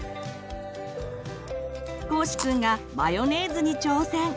こうしくんがマヨネーズに挑戦！